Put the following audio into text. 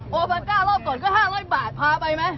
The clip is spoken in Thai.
โปรไฟล์ก้ารอบก่อนก็๕๐๐บาทพาไปมั้ย